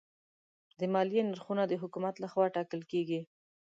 د مالیې نرخونه د حکومت لخوا ټاکل کېږي.